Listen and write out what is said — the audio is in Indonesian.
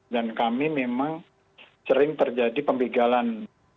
dan kami memang sering terjadi pembegalan